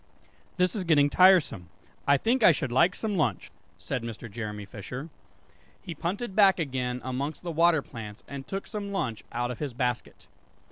"This is getting tiresome, I think I should like some lunch," said Mr. Jeremy Fisher. He punted back again amongst the water plants, and took some lunch out of his basket.